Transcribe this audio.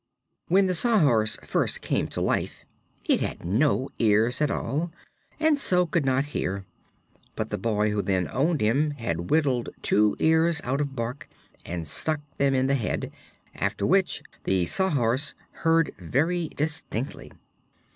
When the Sawhorse first came to life it had no ears at all, and so could not hear; but the boy who then owned him had whittled two ears out of bark and stuck them in the head, after which the Sawhorse heard very distinctly.